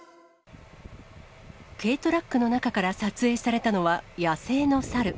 軽トラックの中から撮影されたのは、野生の猿。